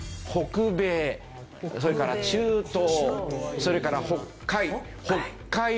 北米それから中東それから北海。